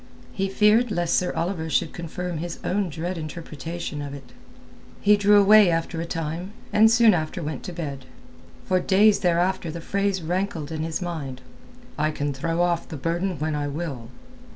He feared lest Sir Oliver should confirm his own dread interpretation of it. He drew away after a time, and soon after went to bed. For days thereafter the phrase rankled in his mind—"I can throw off the burden when I will."